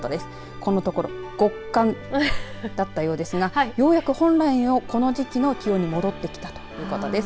このところ極寒だったようですがようやく本来のこの時期の気温に戻ってきたということです。